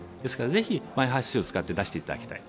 ぜひマイハーシスを使って出していただきたい。